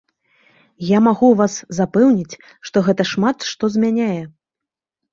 Я магу вас запэўніць, што гэта шмат што змяняе.